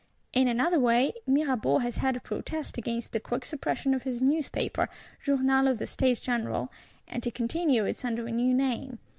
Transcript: In another way, Mirabeau has had to protest against the quick suppression of his Newspaper, Journal of the States General;—and to continue it under a new name.